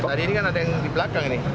tadi ini kan ada yang di belakang nih